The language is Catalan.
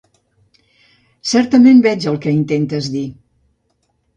Certament, veig el que intentes dir.